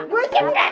gua lihat kan